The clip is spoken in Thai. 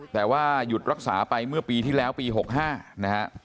แต่ว่าหยุดรักษาไปเมื่อปีที่แล้วปี๖๕นะฮะ